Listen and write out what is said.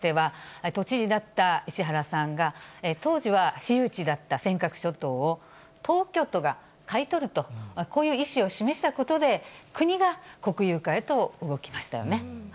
中国が領有権を主張する尖閣諸島を巡りましては、都知事だった石原さんが当時は私有地だった尖閣諸島を、東京都が買い取ると、こういう意思を示したことで国が国有化へと動きましたよね。